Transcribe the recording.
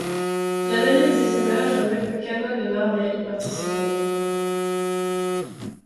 L'analyse des images révèle que Canon et Marley y participaient.